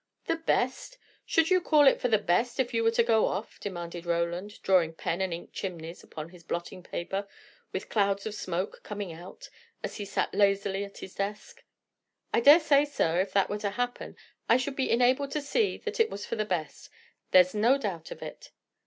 "The best! Should you call it for 'the best' if you were to go off?" demanded Roland, drawing pen and ink chimneys upon his blotting paper, with clouds of smoke coming out, as he sat lazily at his desk. "I dare say, sir, if that were to happen, I should be enabled to see that it was for the best. There's no doubt of it."